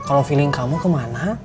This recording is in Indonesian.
kalau perasaan kamu kemana